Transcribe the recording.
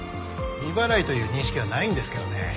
未払いという認識はないんですけどね。